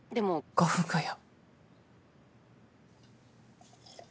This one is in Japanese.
５分後よ。